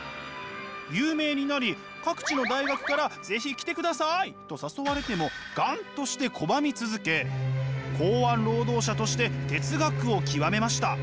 有名になり各地の大学から是非来てくださいと誘われても頑として拒み続け港湾労働者として哲学を究めました。